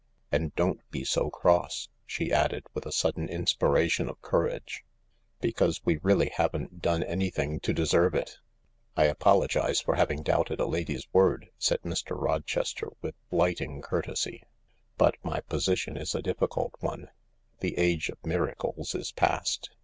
And don't be so cross," she added, with a sudden inspiration of courage, " because we really haven't done anything to deserve it." " I apologise for having doubted a lady's word," said Mr. Rochester with blighting courtesy, " but my position is a difficult one. The age of miracles is past.